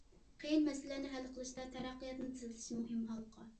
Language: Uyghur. قىيىن مەسىلىلەرنى ھەل قىلىشتا، تەرەققىياتنى تېزلىتىش مۇھىم ھالقا.